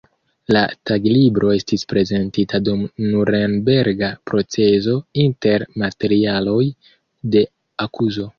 La taglibro estis prezentita dum Nurenberga proceso inter materialoj de akuzo.